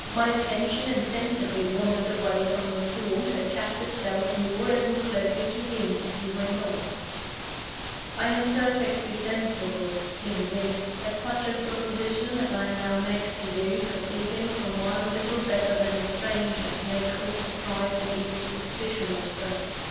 My attention insensibly wandered away from the storm, to attach itself more and more closely to him, as he went on: "I am perfectly sensible," he resumed, "that such a proposition as I now make to you, proceeding from one little better than a stranger, may cause surprise and even suspicion, at first.